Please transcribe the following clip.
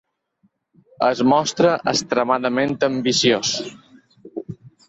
Es mostra extremadament ambiciós.